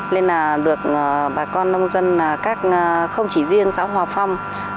nên là được bà con nông dân không chỉ riêng xã hòa phong